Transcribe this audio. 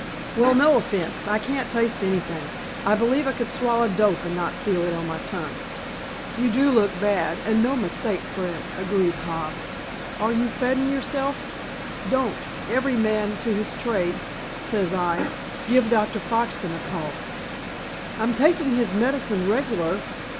_ "Well, no offense. I can't taste anything. I believe I could swallow dope and not feel it on my tongue." "You do look bad, an' no mistake, Fred," agreed Hobbs. "Are you vettin' yerself? Don't. Every man to his trade, sez I. Give Dr. Foxton a call." "I'm taking his medicine regular.